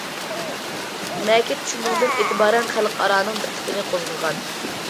‹‹ مەكىت›› شۇنىڭدىن ئېتىبارەن خەلقئارانىڭ دىققىتىنى قوزغىغان.